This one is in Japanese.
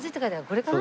これかな？